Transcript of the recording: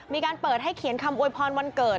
มีการเปิดให้เขียนคำอวยพรวันเกิด